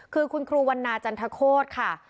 คือคุณครูวันนาจันทโคตรค่ะ